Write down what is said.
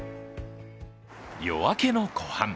夜明けの湖畔。